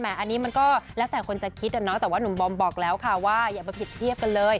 อันนี้มันก็แล้วแต่คนจะคิดอะเนาะแต่ว่าหนุ่มบอมบอกแล้วค่ะว่าอย่าไปผิดเทียบกันเลย